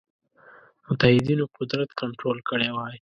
متحدینو قدرت کنټرول کړی وای.